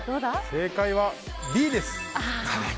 正解はＢです。